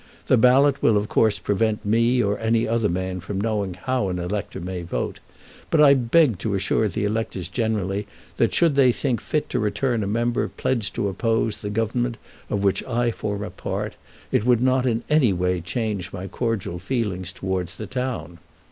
The ballot will of course prevent me or any other man from knowing how an elector may vote; but I beg to assure the electors generally that should they think fit to return a member pledged to oppose the Government of which I form a part, it would not in any way change my cordial feelings towards the town.